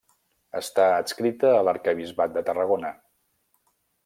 Està adscrita a l'Arquebisbat de Tarragona.